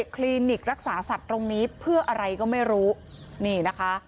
คลินิกรักษาสัตว์ตรงนี้เพื่ออะไรก็ไม่รู้นี่นะคะ